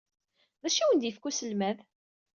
D acu ay awen-d-yefka uselmad?